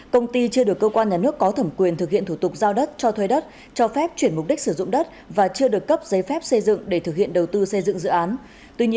công ty chưa được cơ quan nhà nước có thẩm quyền thực hiện thủ tục giao đất cho thuê đất cho phép chuyển mục đích sử dụng đất và chưa được cấp giấy phép xây dựng để thực hiện đầu tư xây dựng dự án